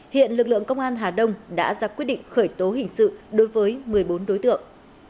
hiện lực lượng công an hà đông đã ra quyết định khởi tố hình sự đối với một mươi bốn đối tượng